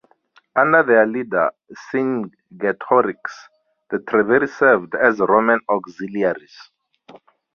Under their leader Cingetorix, the Treveri served as Roman auxiliaries.